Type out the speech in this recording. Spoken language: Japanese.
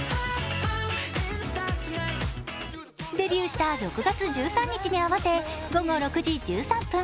デビューした６月１３日に合わせ午後６時１３分